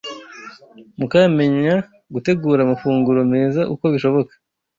mukamenya gutegura amafunguro meza uko bishoboka